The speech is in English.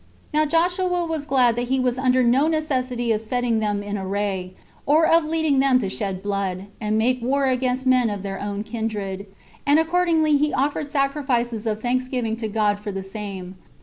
Now Joshua was glad that he was under no necessity of setting them in array, or of leading them to shed blood, and make war against men of their own kindred; and accordingly he offered sacrifices of thanksgiving to God for the same.